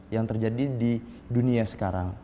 yang terjadi di dunia sekarang